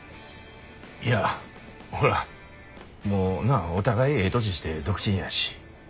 いやほらもうなお互いええ年して独身やしねっ。